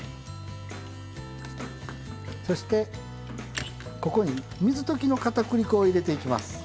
そしてここに水溶きのかたくり粉を入れていきます。